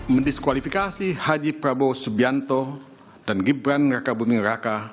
mendiskualifikasi haji prabowo subianto dan gibran raka buming raka